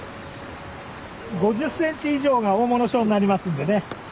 ５０ｃｍ以上が大物賞になりますんでね。